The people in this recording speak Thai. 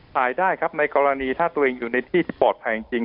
ได้ครับในกรณีถ้าตัวเองอยู่ในที่ที่ปลอดภัยจริง